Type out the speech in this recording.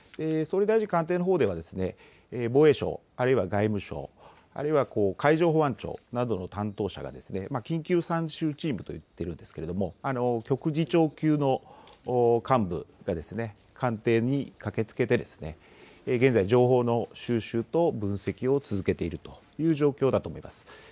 総理大臣官邸のほうでは防衛省あるいは外務省、あるいは海上保安庁などの担当者が緊急参集チームと言っているんですけれども局次長級の幹部が官邸に駆けつけて現在、情報の収集と分析を続けているという状況だと思います。